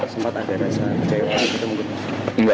sempat ada rasa jawabannya kita mengutuk